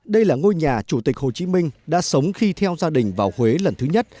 đây là ngôi nhà chủ tịch hồ chí minh đã sống khi theo gia đình vào huế lần thứ nhất